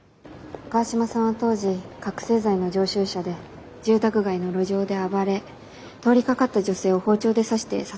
川島さんは当時覚醒剤の常習者で住宅街の路上で暴れ通りかかった女性を包丁で刺して殺害しています。